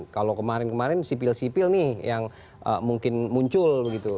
kalau kemarin kemarin sipil sipil nih yang mungkin muncul begitu